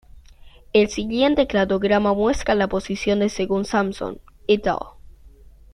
El siguiente cladograma muestra la posición de según Sampson "et al.